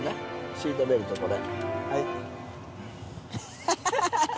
シートベルトこれ。